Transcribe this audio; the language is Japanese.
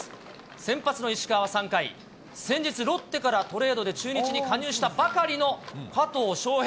先発の石川は３回、先日、ロッテからトレードで中日に加入したばかりの加藤翔平。